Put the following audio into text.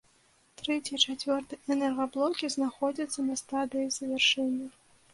Трэці і чацвёрты энергаблокі знаходзяцца на стадыі завяршэння.